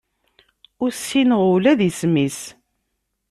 Ur ssineɣ ula d isem-is.